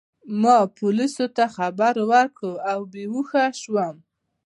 ما پولیسو ته خبر ورکړ او بې هوښه شوم.